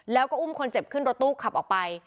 แล้วก็อุ้มคนเจ็บขึ้นรถตู้ขับออกไป